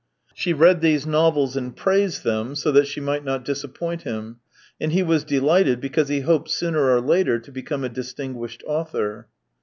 She read these novels and praised them, so that she might not disappoint him, and he was delighted because he hoped sooner or later to become a distinguished author.